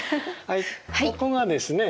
はいここがですね